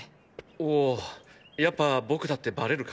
おうやっぱ僕だってバレるか？